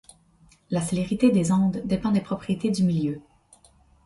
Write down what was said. La célérité des ondes dépend des propriétés du milieu.